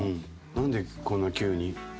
「なんでこんな急に？」。